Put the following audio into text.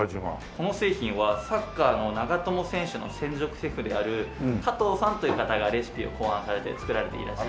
この製品はサッカーの長友選手の専属シェフである加藤さんという方がレシピを考案されて作られていらっしゃる。